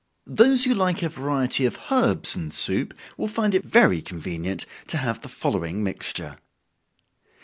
_ Those who like a variety of herbs in soup, will find it very convenient to have the following mixture.